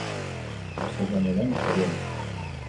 Ezer baino lehen, zorionak.